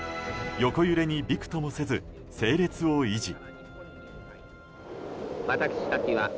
横揺れにびくともせず整列を維持。